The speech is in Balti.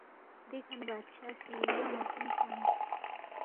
دیکھہ نہ بادشاہ سی یا اون٘ا سونگ کھیانگ